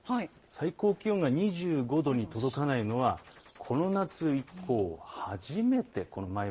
最高気温が２５度に届かないのはこの夏以降初めて。